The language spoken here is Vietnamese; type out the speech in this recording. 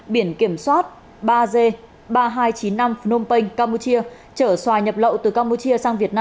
biển kiểm soát ba g ba nghìn hai trăm chín mươi năm phnom penh campuchia